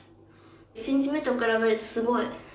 １日目と比べるとすごいん。